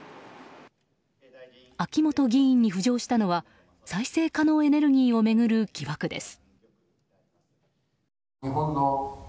秋本議員に浮上したのは再生可能エネルギーを巡る疑惑です。